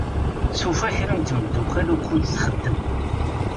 Tufa kra n temddukal ukkud txeddem.